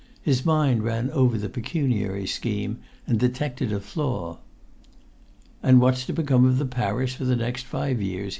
His mind ran over the pecuniary scheme and detected a flaw. "And what's to become of the parish for the next five years?"